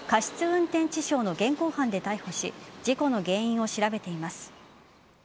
運転致傷の現行犯で逮捕し事故の原因を調べています。